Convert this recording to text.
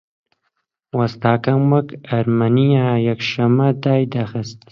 وەستاکەم وەک ئەرمەنییان یەکشەممە دایدەخست